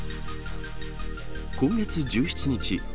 今月１７日